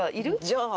じゃあ。